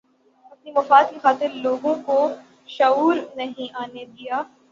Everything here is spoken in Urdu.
اپنے مفاد کی خاطرلوگوں کو شعور نہیں آنے دیا